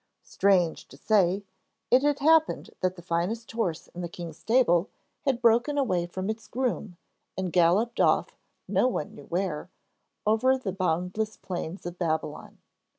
Strange to say, it had happened that the finest horse in the king's stable had broken away from its groom and galloped off no one knew where, over the boundless plains of Babylon.